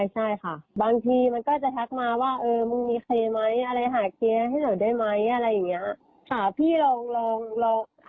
ใช่ค่ะบางทีมันก็จะทักมาว่าเออมึงมีใครไหมอะไรหาเคลียร์ให้หนูได้ไหมอะไรอย่างนี้